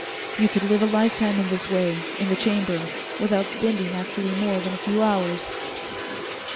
You could live a lifetime in this way, in the Chamber, without spending actually more than a few hours."